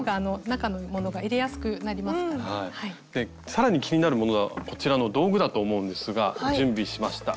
更に気になるものがこちらの道具だと思うんですが準備しました。